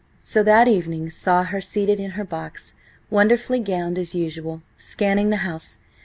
So that evening saw her seated in her box, wonderfully gowned as usual, scanning the house.